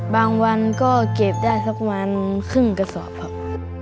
บางวันก็เก็บได้สักประมาณครึ่งกระสอบครับ